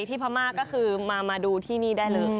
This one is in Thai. พม่าก็คือมาดูที่นี่ได้เลย